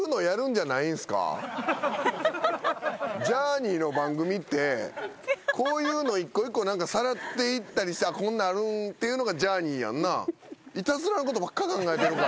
ジャーニーの番組ってこういうの一個一個さらっていったりして「こんなんあるん」っていうのがジャーニーやんな。